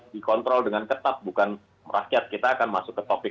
dikontrol dengan ketat bukan rakyat kita akan masuk ke topik